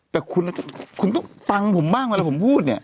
แต่คุณคุณต้องฟังผมบ้างเวลาผมพูดเนี่ย